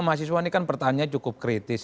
mahasiswa ini kan pertanyaannya cukup kritis